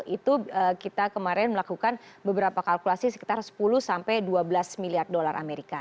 itu kita kemarin melakukan beberapa kalkulasi sekitar sepuluh sampai dua belas miliar dolar amerika